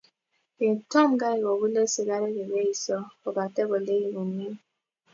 Kitom kai kogule sigaret Kipkesio, kobate kulei ngunim